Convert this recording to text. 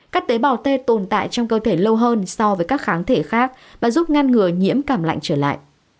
các tế bào tê tồn tại trong cơ thể lâu hơn so với các kháng thể khác và giúp ngăn ngừa nhiễm cảm lạnh trở lại